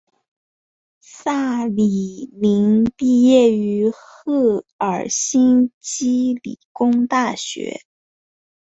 萨里宁毕业于赫尔辛基理工大学。